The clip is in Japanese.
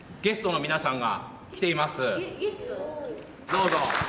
どうぞ。